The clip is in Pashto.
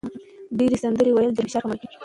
ډېر سندرې ویل د وینې فشار کموي.